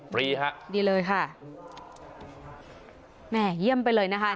รีฮะดีเลยค่ะแม่เยี่ยมไปเลยนะคะ